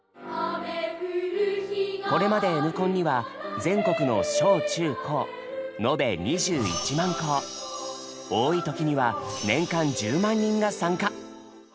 これまで「Ｎコン」には全国の小・中・高多い時には年間１０万人が参加。